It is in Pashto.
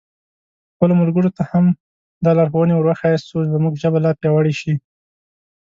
خپلو ملګرو ته هم دا لارښوونې ور وښیاست څو زموږ ژبه لا پیاوړې شي.